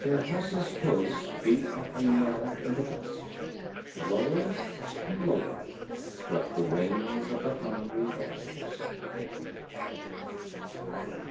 Their horses' hoofs beat out a knell in the dust. Lower and lower swept the wings of the hungry vultures.